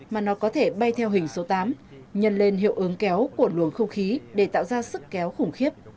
mà nó có thể bay theo hình số tám nhân lên hiệu ứng kéo của luồng không khí để tạo ra sức kéo khủng khiếp